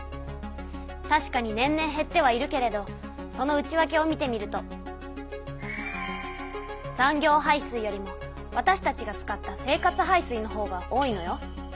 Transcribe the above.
たしかに年々へってはいるけれどその内わけを見てみると産業排水よりもわたしたちが使った生活排水のほうが多いのよ。